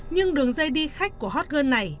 nhưng đường dây đi khách của hot girl này